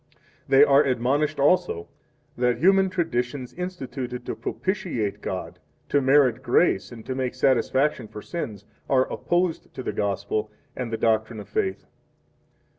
3 They are admonished also that human traditions instituted to propitiate God, to merit grace, and to make satisfaction for sins, are opposed to the Gospel and the doctrine of faith.